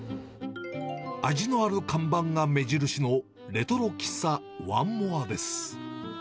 味のある看板が目印のレトロ喫茶ワンモアです。